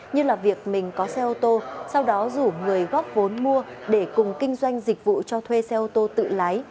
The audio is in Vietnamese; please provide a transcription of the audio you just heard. như là việc mình có xe ô tô sau đó rủ người góp vốn mua để cùng kinh doanh dịch vụ cho thuê xe ô tô tự lái